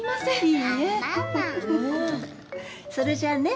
それじゃあね。